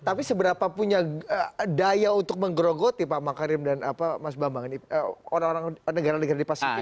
tapi seberapa punya daya untuk menggerogoti pak makarim dan mas bambang ini orang orang negara negara di pasifik